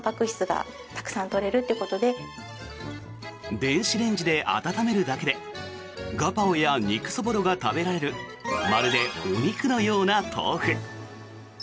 電子レンジで温めるだけでガパオや肉そぼろが食べられるまるでお肉のような豆腐。